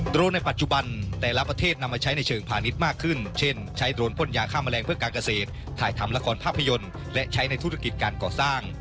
โรนในปัจจุบันแต่ละประเทศนำมาใช้ในเชิงพาณิชย์มากขึ้นเช่นใช้โดรนพ่นยาฆ่าแมลงเพื่อการเกษตรถ่ายทำละครภาพยนตร์และใช้ในธุรกิจการก่อสร้าง